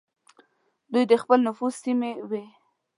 دوی د خپل نفوذ سیمې وې.